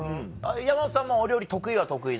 山本さんもお料理得意は得意なの？